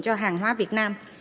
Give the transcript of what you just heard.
cho hàng hóa việt nam